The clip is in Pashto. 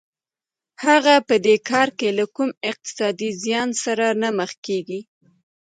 هغه په دې کار کې له کوم اقتصادي زیان سره نه مخ کېږي